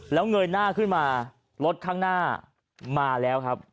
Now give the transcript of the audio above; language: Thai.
แล้วเงยหน้าขึ้นมารถข้างหน้ามาแล้วครับ